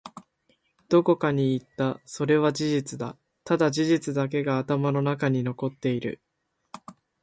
どこかに行った。それは事実だ。ただ、事実だけが頭の中に残っている。